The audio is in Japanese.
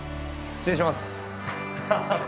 失礼します。